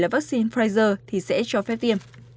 pfizer sẽ cho phép tiêm